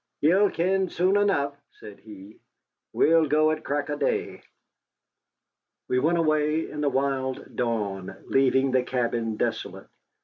"Ye'll ken soon enough," said he. "We'll go at crack o' day." We went away in the wild dawn, leaving the cabin desolate.